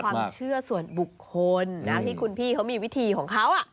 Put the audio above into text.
ความเชื่อส่วนบุคคลนะที่คุณพี่เขามีวิธีของเขา